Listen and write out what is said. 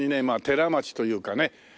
まあ寺町というかね。